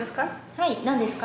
はい何ですか？